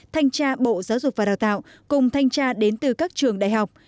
thanh tra bộ giáo dục và đào tạo cùng thanh tra đến từ các trường đại học